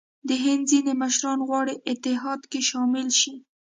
د هند ځیني مشران غواړي اتحاد کې شامل شي.